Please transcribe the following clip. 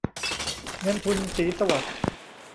เงินทุน ศรีสวัสดิ์